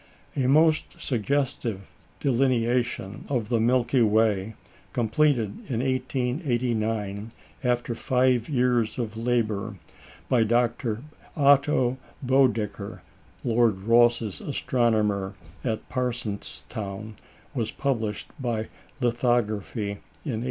A most suggestive delineation of the Milky Way, completed in 1889, after five years of labour, by Dr. Otto Boedicker, Lord Rosse's astronomer at Parsonstown, was published by lithography in 1892.